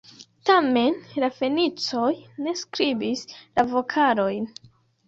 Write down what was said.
Tamen la Fenicoj ne skribis la vokalojn.